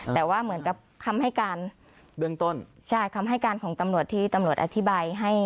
แต่ว่าเหมือนกับคำให้การเบื้องต้นใช่คำให้การของตำรวจที่ตำรวจอธิบายให้